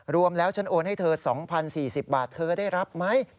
รวมแล้วฉันโอนให้เธอ๒๐๔๐บาทเธอได้รับไหม